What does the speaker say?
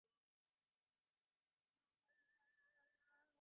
তিনি লিখেছেন